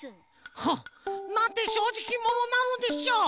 はっ！なんてしょうじきものなのでしょう！